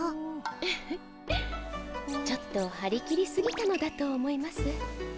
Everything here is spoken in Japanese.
フフちょっと張り切りすぎたのだと思います。